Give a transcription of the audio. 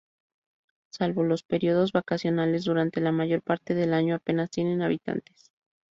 Salvo los periodos vacacionales, durante la mayor parte del año apenas tiene habitantes.